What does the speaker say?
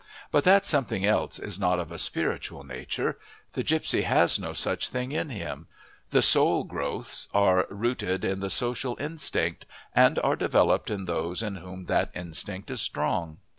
But that something else is not of a spiritual nature: the gipsy has no such thing in him; the soul growths are rooted in the social instinct, and are developed in those in whom that instinct is strong.